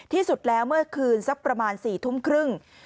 ที่สุดแล้วเมื่อคืนสักประมาณ๔ทุ่มครึ่ง